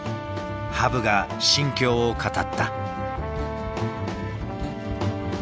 羽生が心境を語った。